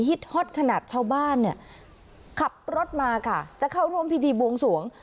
ฮอตขนาดชาวบ้านเนี่ยขับรถมาค่ะจะเข้าร่วมพิธีบวงสวง